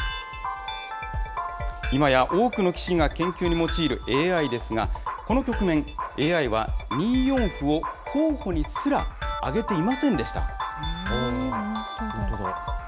今や多くの棋士が研究に用いるＡＩですが、この局面、ＡＩは２四歩を候補にすら挙げていませんで本当だ。